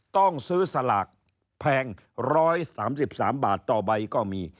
ต้องซื้อสลากแพง๑๓๓บาทต่อใบก็มี